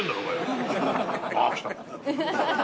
あっ来た。